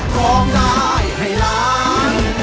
ร้องได้ให้ล้าน